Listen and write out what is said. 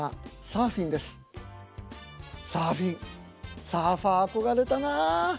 サーフィンサーファー憧れたなあ！